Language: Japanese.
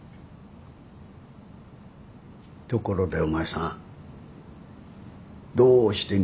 ところでお前さんどうして逃げ出したんだ？